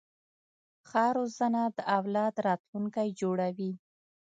ښه روزنه د اولاد راتلونکی جوړوي.